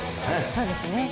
そうですね。